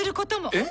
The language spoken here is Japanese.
えっ！？